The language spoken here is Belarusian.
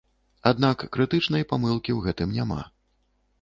Аднак крытычнай памылкі ў гэтым няма.